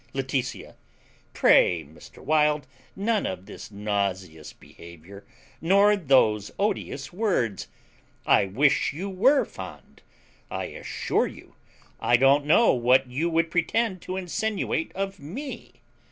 Laetitia. Pray, Mr. Wild, none of this nauseous behaviour, nor those odious words. I wish you were fond! I assure you, I don't know what you would pretend to insinuate of me.